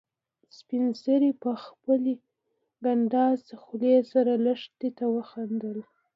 سپین سرې په خپلې کنډاسې خولې سره لښتې ته وخندل.